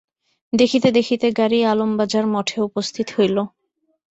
দেখিতে দেখিতে গাড়ী আলমবাজার মঠে উপস্থিত হইল।